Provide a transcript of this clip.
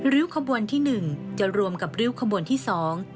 ริ้วขบวนที่หนึ่งจะรวมกับริ้วขบวนที่สอง